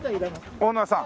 オーナーさん？